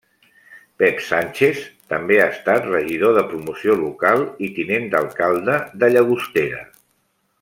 Pep Sánchez també ha estat regidor de promoció local i tinent d'alcalde de Llagostera.